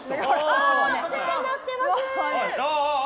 お世話になってます！